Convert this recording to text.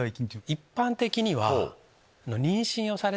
一般的には。